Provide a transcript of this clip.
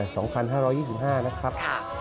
อ้อตั้งแต่๒๕๒๕นะครับ